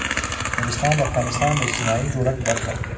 نورستان د افغانستان د اجتماعي جوړښت برخه ده.